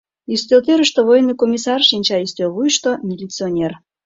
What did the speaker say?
Ӱстелтӧрыштӧ военный комиссар шинча, ӱстел вуйышто — милиционер.